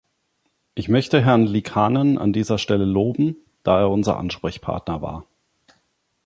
Ich möchte Herrn Liikanen an dieser Stelle loben, da er unser Ansprechpartner war.